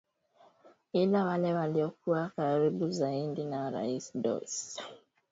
ila wale walokuwa karibu zaidi na rais Dos Santos walizidi kutajirika